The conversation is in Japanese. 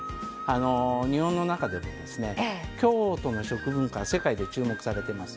日本の中でですね京都の食文化は世界で注目されています。